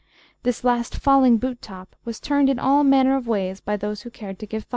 This last falling boot top was turned in all manner of ways by those who cared to give thought to it.